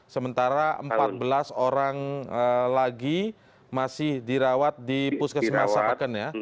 sementara empat belas orang lagi masih dirawat di puskesmasa pak ken ya